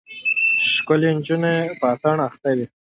ښکلې نجونه په اتڼ اخته وې.